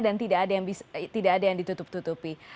dan tidak ada yang ditutup tutupi